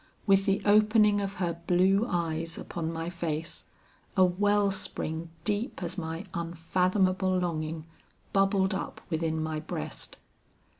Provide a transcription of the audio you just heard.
With the opening of her blue eyes upon my face, a well spring deep as my unfathomable longing, bubbled up within my breast.